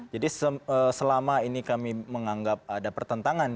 jadi selama ini kami menganggap ada pertentangan